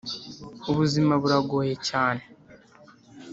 ubuzima buragoye cyane!